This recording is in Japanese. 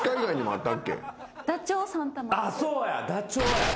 あっそうやダチョウや。